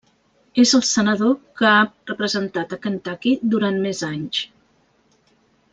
És el senador que ha representat a Kentucky durant més anys.